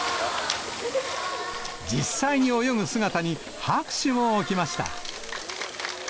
実際に泳ぐ姿に、拍手も起きました。